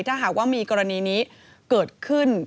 ถ้าหากว่ามีกรณีนี้เกิดขึ้น